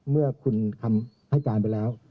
เมื่อคุณคำให้การไปแล้ว